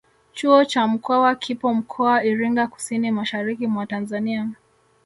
Chuo cha mkwawa kipo mkoa Iringa Kusini mashariki mwa Tanzania